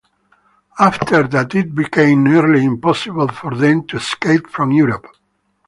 After that it became nearly impossible for them to escape from Europe.